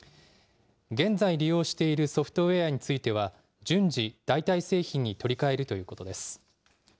現在、利用しているソフトウエアについては順次、代替製品に取り替えるということです。